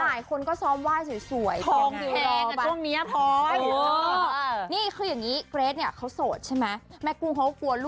อ่ะไหว้สวยหลายคนก็ซ้อมไหว้สวย